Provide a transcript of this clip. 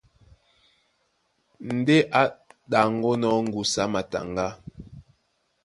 Ndé á ɗaŋgónɔ̄ ŋgusu á mataŋgá,